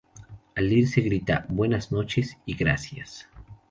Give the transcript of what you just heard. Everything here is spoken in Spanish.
Al irse grita ¡Buenas noches y gracias!